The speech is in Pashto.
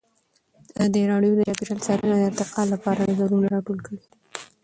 ازادي راډیو د چاپیریال ساتنه د ارتقا لپاره نظرونه راټول کړي.